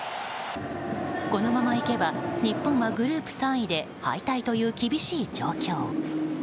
このままいけば日本はグループ３位で敗退という厳しい状況。